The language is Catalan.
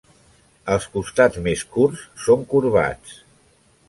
Els costats més curts són corbats.